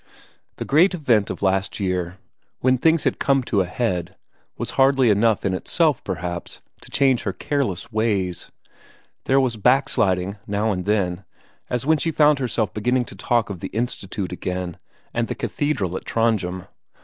The great event of last year, when things had come to a head, was hardly enough in itself, perhaps, to change her careless ways; there was backsliding now and then, as when she found herself beginning to talk of the "Institute" again, and the cathedral at Trondhjem.